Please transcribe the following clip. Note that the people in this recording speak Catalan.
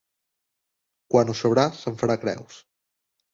Quan ho sabrà se'n farà creus.